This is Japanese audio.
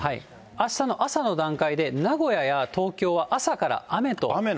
あしたの朝の段階で、名古屋や東京は朝から雨と。